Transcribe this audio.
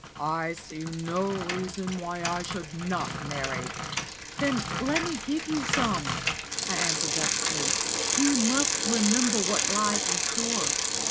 I see no reason why I should not marry." "Then let me give you some," I answered desperately. "You must remember what lies in store.